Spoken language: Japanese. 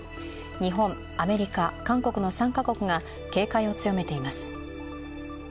日本、アメリカ、韓国の３カ国が警戒を強めています。